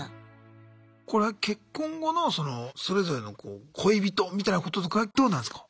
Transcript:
これは結婚後のそれぞれの恋人みたいなこととかはどうなんすか？